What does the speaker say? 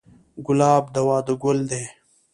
ګلاب د واده ګل دی.